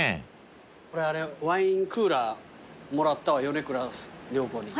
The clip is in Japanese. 俺ワインクーラーもらったわ米倉涼子に。